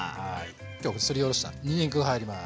今日すりおろしたにんにくが入ります。